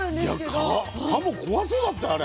いやはも怖そうだったよあれ。